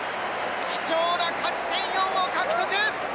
貴重な勝ち点４を獲得！